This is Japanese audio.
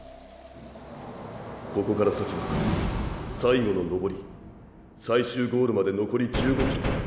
ここから先は最後の登り最終ゴールまで残り１５ｋｍ。